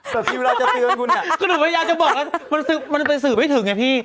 แต่พี่เวลาจะเตือนกูเนี่ยก็หนูพยายามจะบอกแล้วมันมันไปสื่อไม่ถึงไงพี่